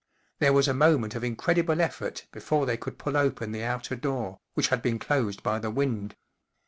There was a moment of incredible effort before they could pull open the outer door, which had been closed by the wind.